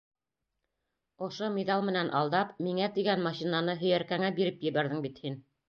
Ошо миҙал менән алдап, миңә тигән машинаны һөйәркәңә биреп ебәрҙең бит һин!